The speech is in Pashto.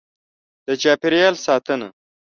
. د چاپېریال ساتنه: